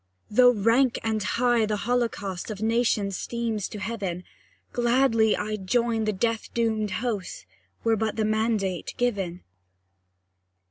Though rank and high the holocaust Of nations steams to heaven, Glad I'd join the death doomed host, Were but the mandate given.